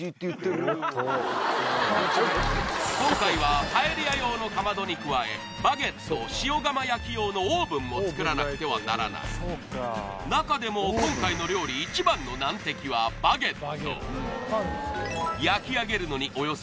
今回はパエリア用のかまどに加えバゲット塩釜焼き用のオーブンも作らなくてはならない中でも今回の料理一番の難敵はバゲット